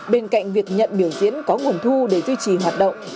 bên cạnh việc nhận biểu diễn có nguồn thu để duy trì hoạt động